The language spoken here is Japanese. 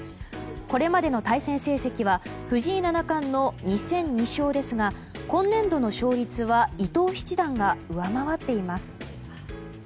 これまでの対戦成績は藤井七冠の２戦２勝ですが今年度の勝率は伊藤七段が上回っています。